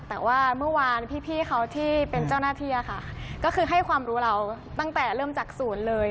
แต่ว่าเมื่อวานพี่เขาที่เป็นเจ้าหน้าที่ค่ะก็คือให้ความรู้เราตั้งแต่เริ่มจากศูนย์เลย